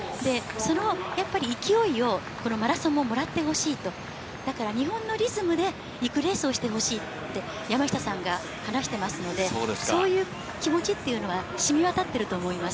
で、そのやっぱり勢いを、このマラソンももらってほしいと、日本のリズムでいくレースをしてほしいって、やましたさんが話してますので、そういう気持ちっていうのはしみわたってると思います。